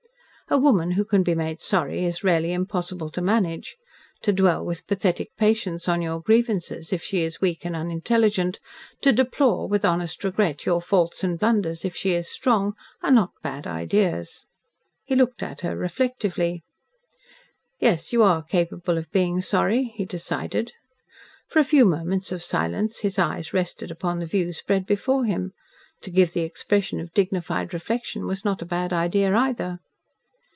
A woman who can be made sorry it is rarely impossible to manage. To dwell with pathetic patience on your grievances, if she is weak and unintelligent, to deplore, with honest regret, your faults and blunders, if she is strong, are not bad ideas. He looked at her reflectively. "Yes, you are capable of being sorry," he decided. For a few moments of silence his eyes rested upon the view spread before him. To give the expression of dignified reflection was not a bad idea either.